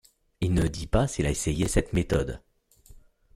Il ne dit pas s'il a essayé cette méthode.